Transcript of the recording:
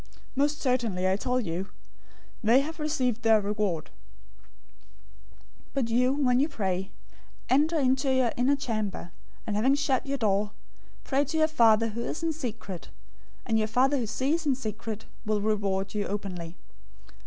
Most certainly, I tell you, they have received their reward. 006:006 But you, when you pray, enter into your inner chamber, and having shut your door, pray to your Father who is in secret, and your Father who sees in secret will reward you openly.